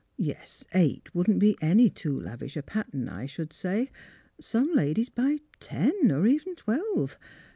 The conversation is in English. Yes; eight wouldn't be any too lavish a pattern, I should say. Some ladies buy ten, or even twelve.